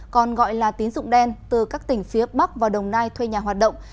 còn gọi là tín dụng đen từ các tỉnh phía bắc và đồng nai thuê nhà hoạt động